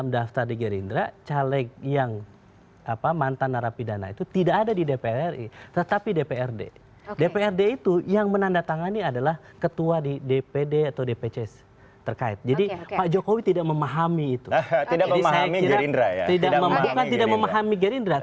dari pdip dan golkar